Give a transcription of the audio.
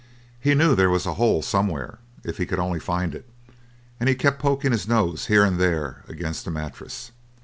He knew there was a hole somewhere if he could only find it and he kept poking his nose here and there against the mattress.